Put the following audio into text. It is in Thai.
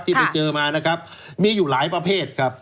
ที่ไปเจอมานะครับมีอยู่หลายประเภทครับ